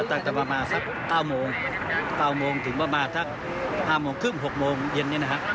ตั้งแต่ประมาณสักเก้าโมงเก้าโมงถึงประมาณสักห้าโมงครึ่งหกโมงเย็นเนี้ยนะฮะ